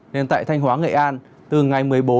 nên tại thanh hóa nghệ an từ ngày một mươi bốn